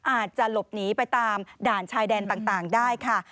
อาจจะหลบหนีไปตามด่านชายแดนต่างได้ค่ะ